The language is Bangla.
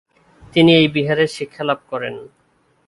তিনি এই বিহারে শিক্ষালাভ করেন।